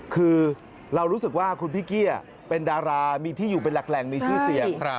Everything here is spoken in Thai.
คือเรารู้สึกว่าคุณพิกกี้เป็นดารามีที่อยู่เป็นหลักแหล่งมีชื่อเสียง